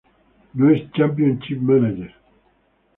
No es Championship Manager.